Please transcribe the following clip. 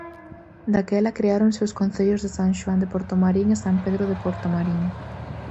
Daquela creáronse os concellos de San Xoán de Portomarín e San Pedro de Portomarín.